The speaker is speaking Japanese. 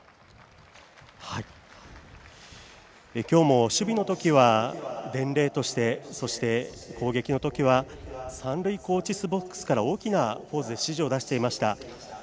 きょうも守備のときは伝令としてそして、攻撃のときは三塁コーチスボックスから大きなポーズで指示を出していました。